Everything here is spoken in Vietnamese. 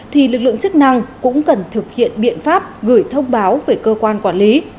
thì lực lượng chức năng cũng cần thực hiện biện pháp gửi thông báo về cơ quan quản lý